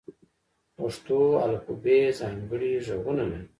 پښتو الفبې ځانګړي غږونه لري.